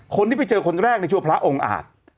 คนที่ไปเจอคนแรกในชื่อว่าพระองค์อาจ